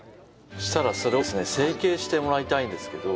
そしたらそれをですね成形してもらいたいんですけど。